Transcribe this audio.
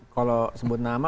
kalau sebut nama